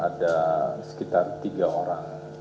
ada sekitar tiga orang